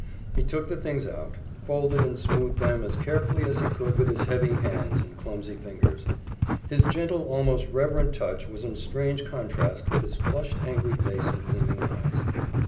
He took the things out, folded and smoothed them as carefully as he could with his heavy hands and clumsy fingers. His gentle, almost reverent touch was in strange contrast with his flushed, angry face and gleaming eyes.